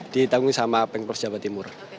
ditanggung sama pemprov jawa timur